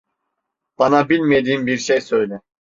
Bana bilmediğim bir şey söyle.